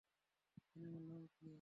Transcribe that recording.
সিনেমার নাম কী?